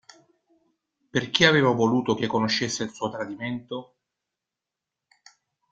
Perché aveva voluto che conoscesse il suo tradimento?